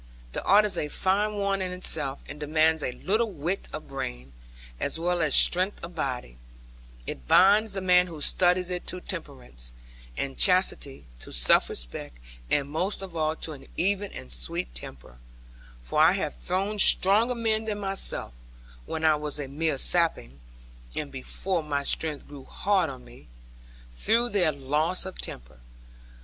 The art is a fine one in itself, and demands a little wit of brain, as well as strength of body; it binds the man who studies it to temperance, and chastity, to self respect, and most of all to an even and sweet temper; for I have thrown stronger men than myself (when I was a mere sapling, and before my strength grew hard on me) through their loss of temper.